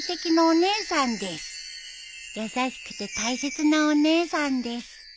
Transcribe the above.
優しくて大切なお姉さんです